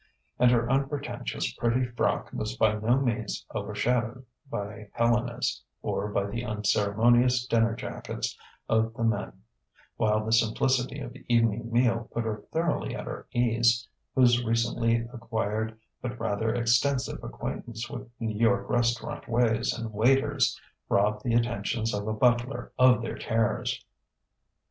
And her unpretentious, pretty frock was by no means overshadowed by Helena's or by the unceremonious dinner jackets of the men; while the simplicity of the evening meal put her thoroughly at her ease, whose recently acquired but rather extensive acquaintance with New York restaurant ways and waiters robbed the attentions of a butler of their terrors.